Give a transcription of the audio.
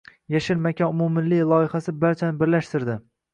“Yashil makon” umummilliy loyihasi barchani birlashtirding